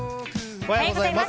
おはようございます。